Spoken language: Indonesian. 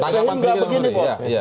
sehingga begini bos